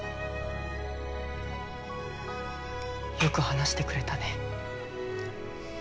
よく話してくれたね。